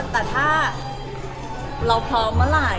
แต่ถ้าเราพร้อมเมื่อไหร่